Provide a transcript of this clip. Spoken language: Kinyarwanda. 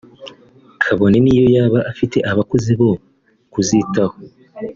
kabone niyo yaba afite abakozi bo kuzitaho